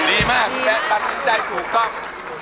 ดีมากและตัดสินใจถูกต้อง